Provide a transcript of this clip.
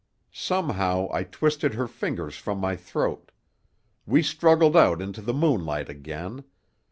Somehow, I twisted her fingers from my throat. We struggled out into the moonlight again.